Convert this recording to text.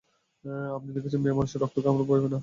আপনি দেখছি মেয়েমানুষের রক্তকে আর ভয় পান না।